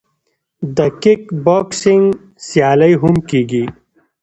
د کیک بوکسینګ سیالۍ هم کیږي.